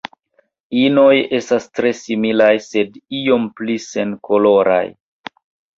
Inoj estas tre similaj sed iom pli senkoloraj.